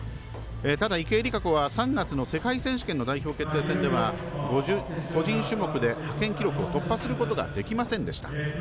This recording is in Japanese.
ただ池江璃花子は３月の世界選手権の代表決定戦では個人種目で派遣記録を突破することができませんでした。